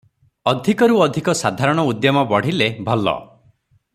ଅଧିକରୁ ଅଧିକ ସାଧାରଣ ଉଦ୍ୟମ ବଢ଼ିଲେ ଭଲ ।